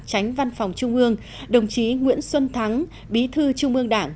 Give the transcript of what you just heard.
tránh văn phòng trung ương đồng chí nguyễn xuân thắng bí thư trung ương đảng